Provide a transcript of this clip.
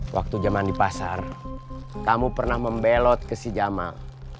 waktu zaman di pasar kamu pernah membelot ke si jamang